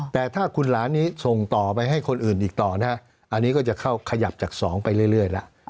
แต่ถ้าคุณหลานนี้ส่งต่อไปให้คนอื่นอีกต่อนะอันนี้ก็จะเข้าขยับจาก๒ไปเรื่อยแล้ว